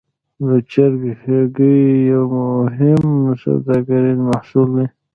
د چرګ هګۍ یو مهم سوداګریز محصول دی.